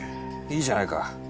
いいじゃないか。